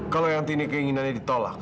kalau eyang tini keinginannya ditolak